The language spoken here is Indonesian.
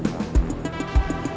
gak ada yang mau ngomong